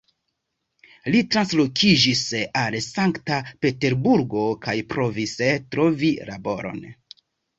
Li transloĝiĝis al Sankt-Peterburgo kaj provis trovi laboron.